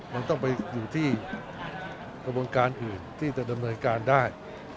มันต้องไปอยู่ที่กระบวนการอื่นที่จะดำเนินการได้